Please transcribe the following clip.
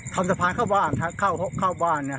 ทำสะพานเข้าบ้านเข้าบ้าน